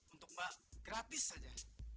untuk mbak gratis saja